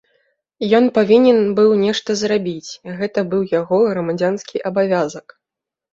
Ён павінен быў нешта зрабіць, гэта быў яго грамадзянскі абавязак.